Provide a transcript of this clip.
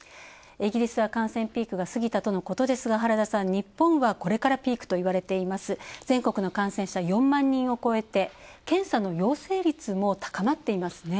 イギリスは感染ピークがすぎたとのことですが、原田さん、日本はこれからピークだといわれている全国の感染者４万人を越えて検査の陽性率も高まっている。